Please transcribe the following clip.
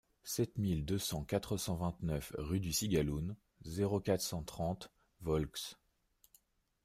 sept mille deux cent quatre-vingt-neuf rue du Cigaloun, zéro quatre, cent trente Volx